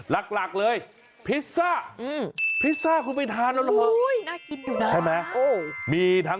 หลักเลยพิซซ่าพิซซ่าคุณไปทานแล้วเหรอ